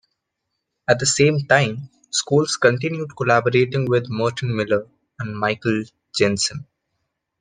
At the same time, Scholes continued collaborating with Merton Miller and Michael Jensen.